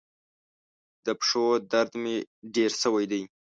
د پښو درد مي ډیر سوی دی.